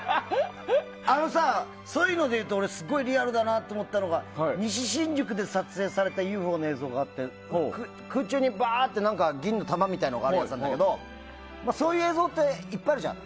あのさ、そういうので言うとすごいリアルだなと思ったのが西新宿で撮影されたＵＦＯの映像があって空中に銀の玉みたいなのがあるやつなんだけどそういう映像っていっぱいあるじゃん。